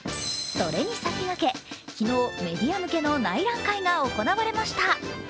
それに先駆け昨日、メディア向けの内覧会が行われました。